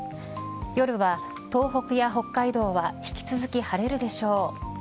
夜は東北や北海道は引き続き晴れるでしょう。